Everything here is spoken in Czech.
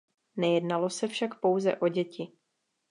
Nejednalo se však pouze o děti.